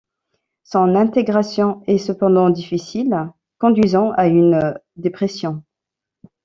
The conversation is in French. Son intégration est cependant difficile, conduisant à une dépression.